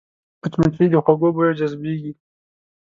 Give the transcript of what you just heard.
مچمچۍ د خوږو بویو جذبېږي